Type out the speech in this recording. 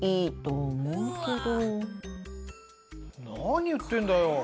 何言ってんだよ。